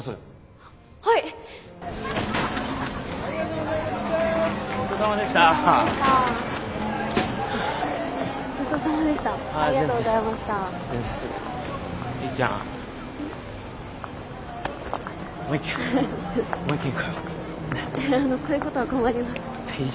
あのこういうことは困ります。